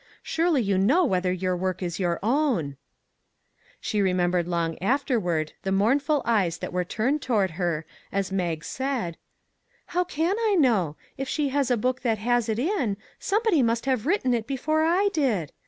Surely you know whether your work is your own !" She remembered long afterward the mourn ful eyes that were turned toward her as Mag said: " How can I know ? If she has a book that has it in, somebody must have written it before I did.